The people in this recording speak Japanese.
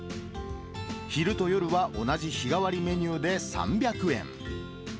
昼と夜は同じ日替わりメニューで３００円。